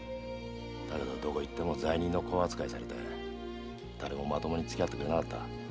だけどどこ行っても罪人の子扱いされて誰もまともにつき合ってくれなかった。